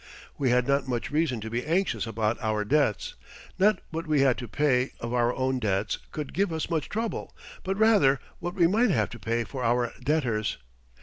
We had not much reason to be anxious about our debts. Not what we had to pay of our own debts could give us much trouble, but rather what we might have to pay for our debtors.